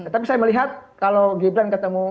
tapi saya melihat kalau gibran ketemu